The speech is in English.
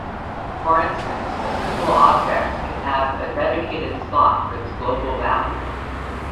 For instance, a symbol object can have a dedicated slot for its global value.